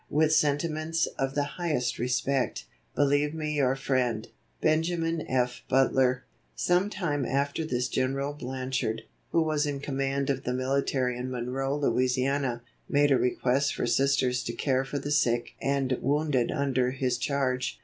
"With sentiments of the highest respect, believe me your friend, Benj. F. Butler." Some time after this General Blanchard, who was in command of the military in Monroe, La., made a request for Sisters to care for the sick and wounded under his charge.